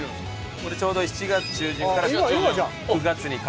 これちょうど７月中旬から９月にかけてですから。